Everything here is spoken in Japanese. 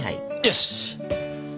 よし！